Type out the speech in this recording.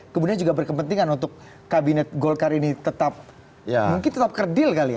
kemudian juga berkepentingan untuk kabinet golkar ini tetap mungkin tetap kerdil kali ya